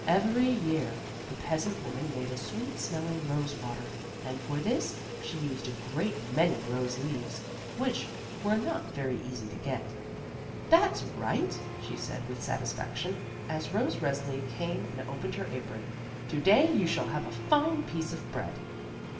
Every year the peasant woman made a sweet smelling rose water and for A LITTLE HELPER 25 this she used a great many rose leaves, which were not very easy to get. "That's right," she said with satisfaction as Rose Resli came and opened her apron, "to day you shall have a fine piece of bread."